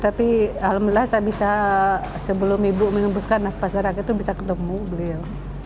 tapi alhamdulillah saya bisa sebelum ibu mengembuskan nafas rakyat itu bisa ketemu beliau